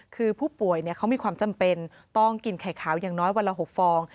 คือผู้ป่วยเขามีความจำเป็นต้องกินไข่ขาวอย่างน้อยวันละ๖ฟอง